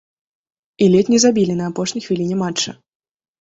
І ледзь не забілі не апошняй хвіліне матча.